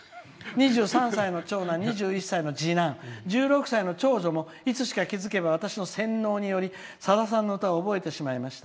２３歳の長男、２１歳の次男１６歳の長女も私の洗脳によりさださんの歌を覚えてしまいました。